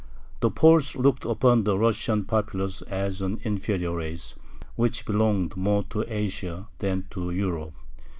The Poles looked upon the Russian populace as an inferior race, which belonged more to Asia than to Europe.